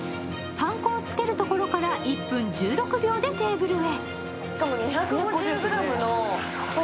パン粉をつけるところから１分１６秒でテーブルへ。